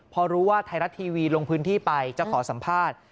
พอรู้ว่าไทยรัฐทีวีลงพื้นที่ไปจะขอสัมภาษณ์